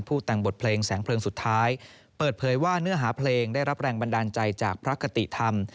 แต่งบทเพลงแสงเพลิงสุดท้ายเปิดเผยว่าเนื้อหาเพลงได้รับแรงบันดาลใจจากพระคติธรรม